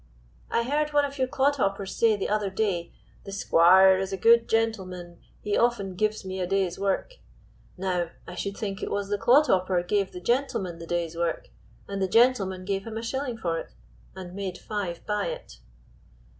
"I heard one of your clodhoppers say the other day, 'The squire is a good gentleman, he often gives me a day's work.' Now I should think it was the clodhopper gave the gentleman the day's work, and the gentleman gave him a shilling for it and made five by it."